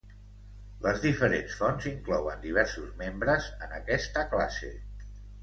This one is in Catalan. Les diferents fonts inclouen diversos membres en aquesta classe.